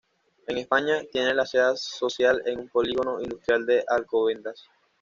En España tiene la sede social en un polígono industrial de Alcobendas.